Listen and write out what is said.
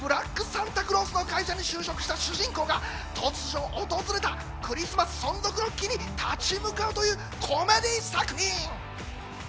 サンタクロースの会社に就職した主人公が突如訪れたクリスマス存続の危機に立ち向かうというコメディー作品。